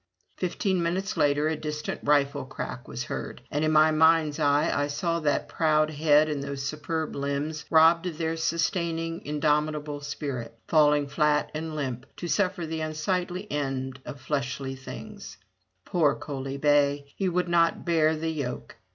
Fifteen minutes later a distant rifle crack was heard, and in my mind's eye I saw that proud head and those superb limbs, robbed of their sustaining indomitable spirit, falling flat and limp — to suffer the unsightly end of fleshly things. Poor Coaly bay; he would not bear the yoke.